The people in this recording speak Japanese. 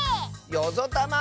よぞたま！